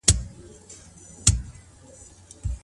د رسول الله احاديث د طلاق په اړه څه وايي؟